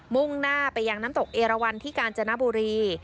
มุ่งหน้าไปยังน้ำตกเอราวันที่กาญจนบุรี